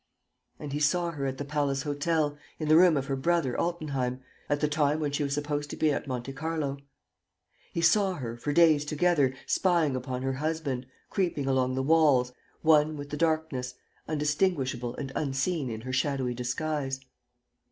And he saw her at the Palace Hotel, in the room of her brother, Altenheim, at the time when she was supposed to be at Monte Carlo. He saw her, for days together, spying upon her husband, creeping along the walls, one with the darkness, undistinguishable and unseen in her shadowy disguise.